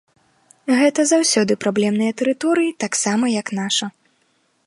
Гэта заўсёды праблемныя тэрыторыі, таксама як наша.